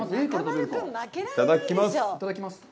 いただきます。